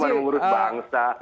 cuma mengurus bangsa